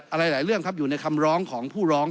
หลายเรื่องครับอยู่ในคำร้องของผู้ร้อง